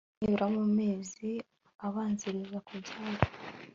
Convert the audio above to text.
nibura mu mezi abanziriza kubyara